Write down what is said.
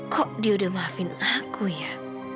kok dia udah maafin aku ya